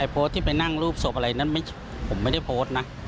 โพสต์ที่ไปนั่งรูปศพอะไรนั้นผมไม่ได้โพสต์นะ